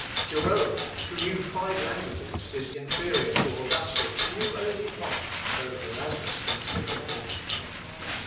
Jerome, who knew five languages, is inferior to Augustine, who only knew one, though Erasmus thinks differently.